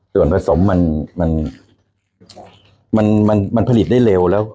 ส่วนผสมมันมันมันมันมันผลิตได้เร็วแล้ว